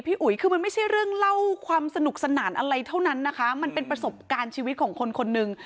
อุ๋ยคือมันไม่ใช่เรื่องเล่าความสนุกสนานอะไรเท่านั้นนะคะมันเป็นประสบการณ์ชีวิตของคนคนหนึ่ง